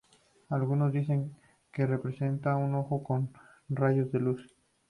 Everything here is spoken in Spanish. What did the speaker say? Algunos dicen que representa un ojo con rayos de luz.